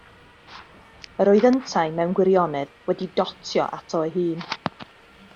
Yr oedd yntau mewn gwirionedd wedi dotio ato ei hun.